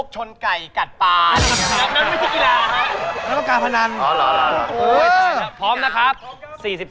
จริงหรอนี่